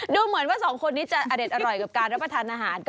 ดูเหมือนว่าสองคนนี้จะอเด็ดอร่อยกับการรับประทานอาหาร